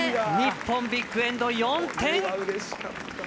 日本ビッグエンド、４点！